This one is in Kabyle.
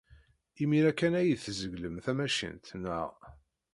Imir-a kan ay tzeglem tamacint, naɣ?